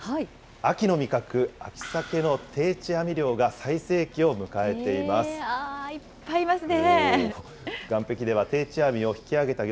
秋の味覚、秋サケの定置網漁が最盛期を迎えています。